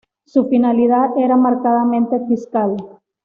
Su finalidad era marcadamente fiscal.